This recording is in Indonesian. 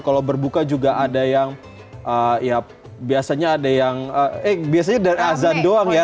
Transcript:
kalau berbuka juga ada yang ya biasanya ada yang eh biasanya azan doang ya